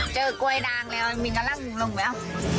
เจอกล้วยดังแล้วมีกระล่างลงแล้ว